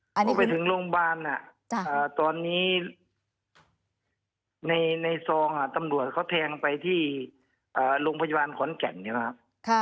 อันนี้ไปถึงโรงพยาบาลตอนนี้ในซองตำรวจเขาแทงไปที่โรงพยาบาลขอนแก่นใช่ไหมครับ